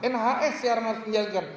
nhs yang harus menjelaskan